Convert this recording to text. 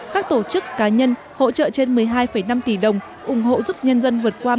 các tổ chức cá nhân hỗ trợ trên một mươi hai năm tỷ đồng ủng hộ giúp nhân dân vượt qua